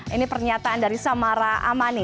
ini pernyataan dari samara amani